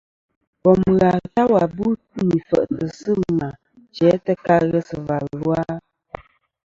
Bòm ghà ta wà bû nì fèʼtɨ̀ sɨ̂ mà jæ ta ka ghesɨ̀và lu a?